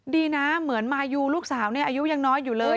ดีนะเหมือนมายูลูกสาวอายุยังน้อยอยู่เลย